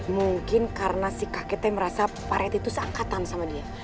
mungkin karena si kakeknya merasa paret itu seangkatan sama dia